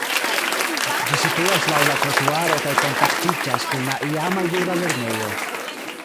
Ĝi situas laŭ la trotuaro kaj kontaktiĝas kun la iama juda lernejo.